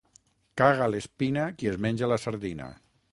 Caga l'espina qui es menja la sardina.